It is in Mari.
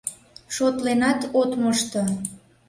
Шотленат от мошто...